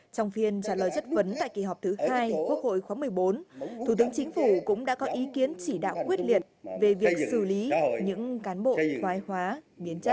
trong phiên trả lời chất vấn tại kỳ họp thứ hai quốc hội khóa một mươi bốn thủ tướng chính phủ cũng đã có ý kiến chỉ đạo quyết liệt về việc xử lý những cán bộ thoái hóa biến chất